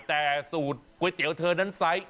แต่สูตรก๋วยเตี๋ยวเธอนั้นไซส์